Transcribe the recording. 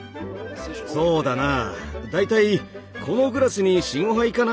そうだな大体このグラスに４５杯かな。